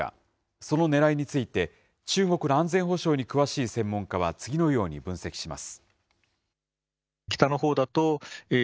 そのねらいについて中国の安全保障に詳しい専門家は、次のように分析します。